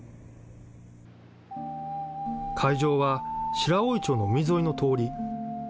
会場は白老町の海沿いの通り。